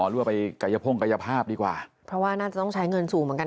หรือว่าไปกายพ่งกายภาพดีกว่าเพราะว่าน่าจะต้องใช้เงินสูงเหมือนกัน